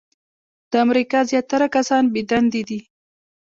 د امریکا زیاتره کسان بې دندې دي .